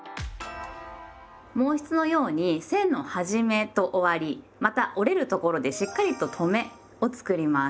毛筆のように線の始めと終わりまた折れるところでしっかりと「とめ」を作ります。